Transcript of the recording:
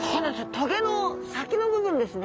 棘の先の部分ですね。